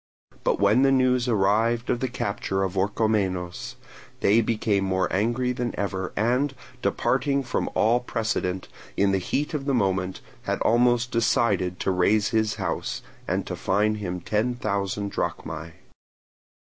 But when the news arrived of the capture of Orchomenos, they became more angry than ever, and, departing from all precedent, in the heat of the moment had almost decided to raze his house, and to fine him ten thousand drachmae.